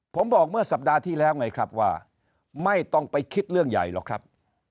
ผมบอกเมื่อสัปดาห์ที่แล้วไงครับว่าไม่ต้องไปคิดเรื่องใหญ่หรอกครับ